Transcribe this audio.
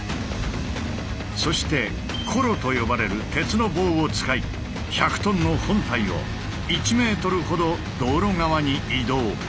そしてコロと呼ばれる鉄の棒を使い１００トンの本体を１ｍほど道路側に移動。